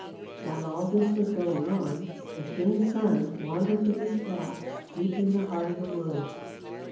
While all this was going on, the king's son wandered with his flock deep in the heart of the woods.